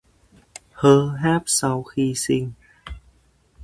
Hơ háp sau khi sinh